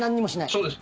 そうです。